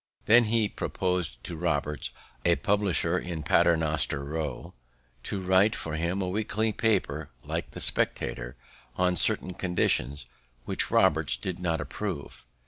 Then he propos'd to Roberts, a publisher in Paternoster Row, to write for him a weekly paper like the Spectator, on certain conditions, which Roberts did not approve.